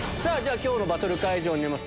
今日のバトル会場になります